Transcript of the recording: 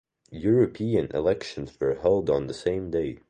European elections were held on the same day.